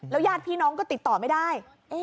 แล้วยาดพี่น้องก็ติดต่อไม่ได้